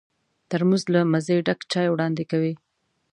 ترموز له مزې ډک چای وړاندې کوي.